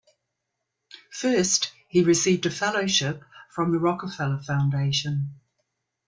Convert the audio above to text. First, he received a Fellowship from the Rockefeller Foundation.